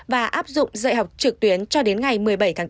và áp dụng dạy học trực tuyến cho đến ngày một mươi bảy tháng bốn